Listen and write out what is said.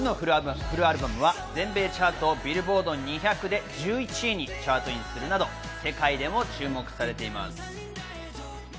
初のフルアルバムは全米チャートビルボード２００で１１位にチャートインするなど世界でも注目されています。